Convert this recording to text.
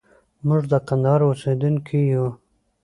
موږ د کندهار اوسېدونکي يو.